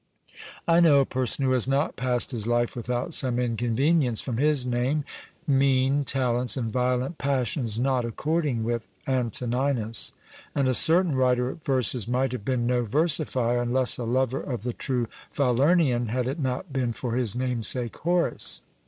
I know a person who has not passed his life without some inconvenience from his name, mean talents and violent passions not according with Antoninus; and a certain writer of verses might have been no versifier, and less a lover of the true Falernian, had it not been for his namesake Horace.